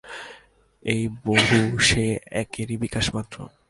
এই বহু সেই একেরই বিকাশমাত্র।